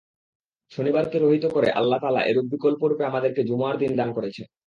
শনিবারকে রহিত করে আল্লাহ তাআলা এর বিকল্পরূপে আমাদেরকে জুমআর দিন দান করেছেন।